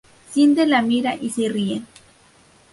Sindel la mira y se rie.